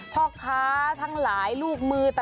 พ่อค้าทั้งหลายลูกมือ